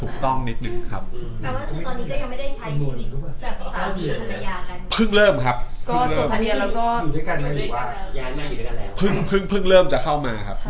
เพิ่งเริ่มจะเข้ามาครับ